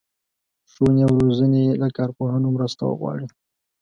ښوونې او روزنې له کارپوهانو مرسته وغواړي.